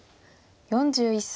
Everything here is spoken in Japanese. ４１歳。